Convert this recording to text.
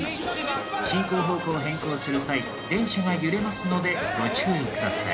進行方向を変更する際電車が揺れますのでご注意ください。